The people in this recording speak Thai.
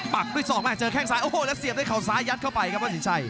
ปักด้วยศอกมาเจอแข้งซ้ายโอ้โหแล้วเสียบด้วยเขาซ้ายยัดเข้าไปครับวัดสินชัย